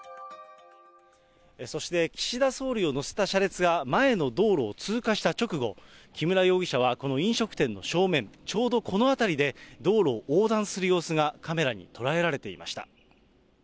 そして岸田総理を乗せた車列が前の道路を通過した直後、木村容疑者はこの飲食店の正面、ちょうどこの辺りで道路を横断する様子がカメラに捉えられていました。